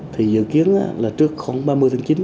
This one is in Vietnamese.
thì dự kiến là trước khoảng ba mươi tháng chín